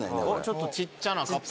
ちょっとちっちゃなカプセル。